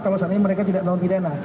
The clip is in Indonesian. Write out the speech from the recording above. kalau seandainya mereka tidak dalam pidana